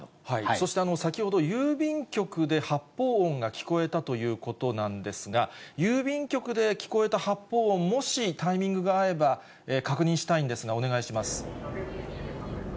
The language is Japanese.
そして先ほど、郵便局で発砲音が聞こえたということなんですが、郵便局で聞こえた発砲音、もしタイミングが合えば確認したいんですが、お願いします。